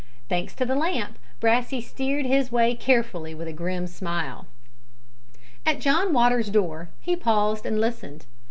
Thanks to the lamp, Brassey steered his way carefully and with a grim smile. At John Waters's door he paused and listened.